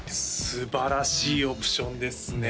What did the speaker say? すばらしいオプションですね